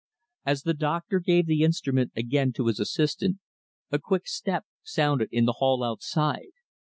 As the doctor gave the instrument, again, to his assistant, a quick step sounded in the hall outside.